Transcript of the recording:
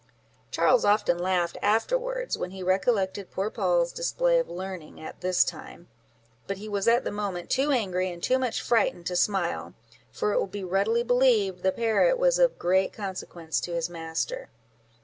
Charles often laughed afterwards, when he recollected poor Poll's display of learning at this time; but he was at the moment too angry, and too much frightened, to smile, for it will be readily believed the parrot was of great consequence to his master.